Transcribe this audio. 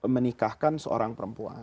menikahkan seorang perempuan